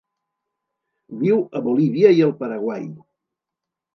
Viu a Bolívia i el Paraguai.